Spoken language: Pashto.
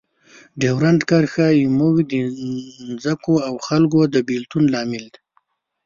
ډیورنډ کرښه زموږ د ځمکو او خلکو د بیلتون لامل ده.